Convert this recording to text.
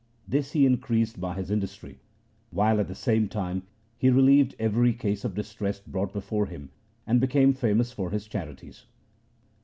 This he increased by his industry, while at the same time he relieved every case of distress brought before him, and became famous for his charities.